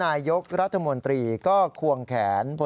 นายยกรัฐมนตรีพบกับทัพนักกีฬาที่กลับมาจากโอลิมปิก๒๐๑๖